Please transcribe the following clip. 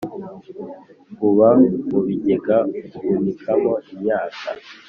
uba mu bigega uhunikamo imyaka